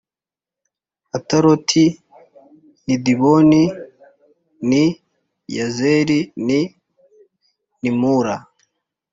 Ataroti n i Diboni n i Yazeri n i Nimura